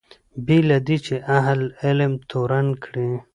بې له دې چې اهل علم تورن کړي.